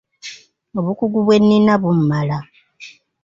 Obukugu bwe nnina bummala.